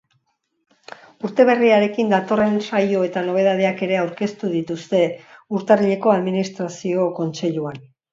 Urte berriarekin datorren saio eta nobedadeak ere aurkeztu dituzte urtarrileko administrazio kontseiluan.